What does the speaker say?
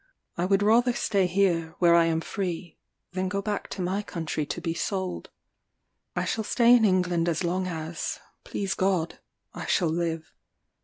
I would rather stay here, where I am free, than go back to my country to be sold. I shall stay in England as long as (please God) I shall live.